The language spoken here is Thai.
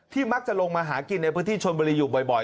มักจะลงมาหากินในพื้นที่ชนบุรีอยู่บ่อย